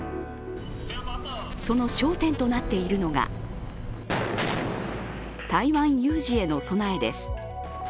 その焦点となっているのが台湾有事への備えです。